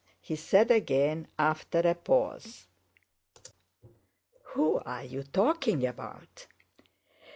he said again after a pause. "Who are you talking about?"